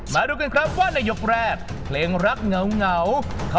มาดูว่านายกรแรดเพลงลักเหงา